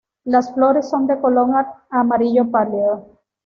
Las flores son de color amarillo pálido.